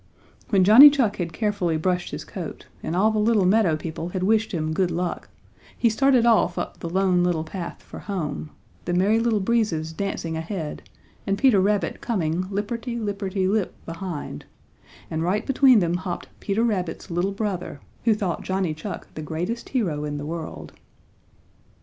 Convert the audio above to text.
When Johnny Chuck had carefully brushed his coat and all the little meadow people had wished him good luck, he started off up the Lone Little Path for home, the Merry Little Breezes dancing ahead and Peter Rabbit coming lipperty, lipperty, lip behind, and right between them hopped Peter Rabbit's little brother, who thought Johnny Chuck the greatest hero in the world.